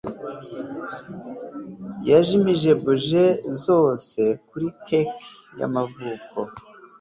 yazimije buji zose kuri keke y'amavuko